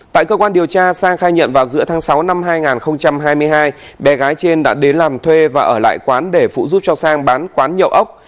tại cơ quan điều tra sang khai nhận vào giữa tháng sáu năm hai nghìn hai mươi hai bé gái trên đã đến làm thuê và ở lại quán để phụ giúp cho sang bán quán nhậu ốc